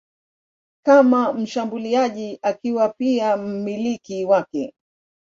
kama mshambuliaji akiwa pia mmiliki wake.